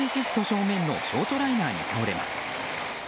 正面のショートライナーに倒れます。